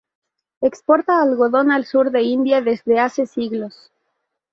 Exporta algodón al sur de India desde hace siglos.